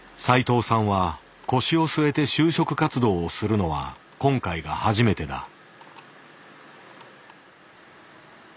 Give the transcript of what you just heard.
斉藤さんは腰を据えて就職活動をするのは今回が初めてだ。